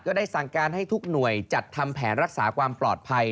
ได้สั่งการให้ทุกหน่วยจัดทำแผนรักษาความปลอดภัย